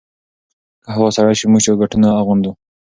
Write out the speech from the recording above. که هوا سړه شي، موږ جاکټونه اغوندو.